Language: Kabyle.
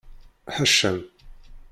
Ḥaca-m!